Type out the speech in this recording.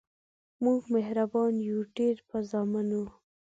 مونږ مهربان یو ډیر په زامنو